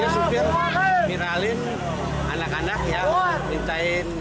supir viralin anak anak yang minta lima ratus